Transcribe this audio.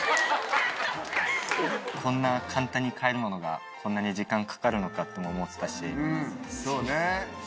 こんな簡単に買えるものがこんなに時間かかるのかとも思ってそうね。